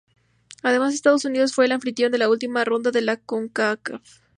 Además, Estados Unidos fue el anfitrión de la última ronda de la Concacaf.